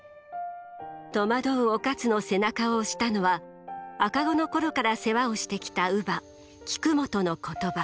戸惑う於一の背中を押したのは赤子の頃から世話をしてきた乳母菊本の言葉。